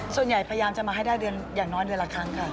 ส่วนใหญ่พยายามจะมาให้ได้เดือนอย่างน้อยเดือนละครั้งค่ะ